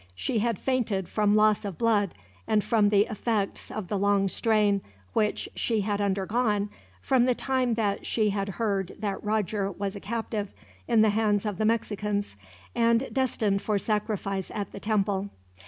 She had fainted from loss of blood, and from the effects of the long strain which she had undergone, from the time that she had heard that Roger was a captive in the hands of the Mexicans, and destined for sacrifice at the temple.